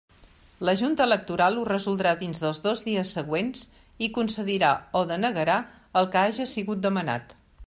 La Junta Electoral ho resoldrà dins dels dos dies següents i concedirà o denegarà el que haja sigut demanat.